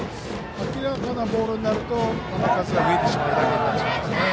明らかなボールになると球数が増えてしまう原因になりますね。